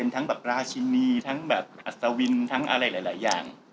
ทั้งแบบราชินีทั้งแบบอัศวินทั้งอะไรหลายอย่าง